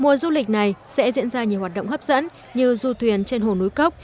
mùa du lịch này sẽ diễn ra nhiều hoạt động hấp dẫn như du thuyền trên hồ núi cốc